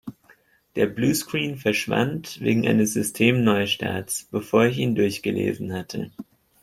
Der Bluescreen verschwand wegen eines Systemneustarts, bevor ich ihn durchgelesen hatte.